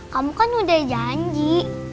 kamu kan udah janji